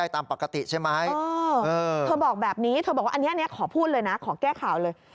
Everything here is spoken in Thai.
เธอบอกแบบนี้ขอพูดเลยนะขอแก้ข่าวเลย